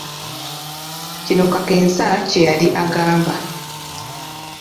Kino kakensa kye yali agamba.